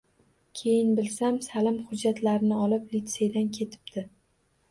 Keyin bilsam, Salim hujjatlarini olib litseydan ketibdi.